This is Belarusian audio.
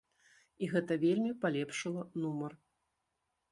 І гэта вельмі палепшыла нумар!